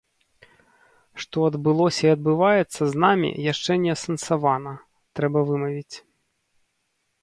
Што адбылося і адбываецца з намі яшчэ не асэнсавана, трэба вымавіць.